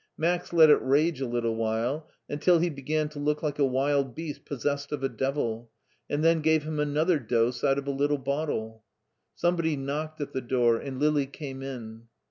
Max let it rage a little while until he began to look like a wild beast possessed of a devil, and then gave him another dose out of a little bottle. Somebody knocked at the door, and Lili came in.